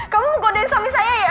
kamu mau godein suami saya ya